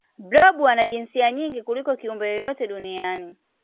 blob ana jinsia nyingi kuliko kiumbe yeyote duniani